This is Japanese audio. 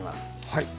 はい。